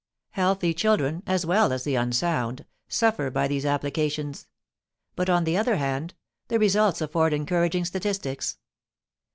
Healthy children, as well as the unsound, suffer by these applications; but on the other hand, the results afford encouraging statistics.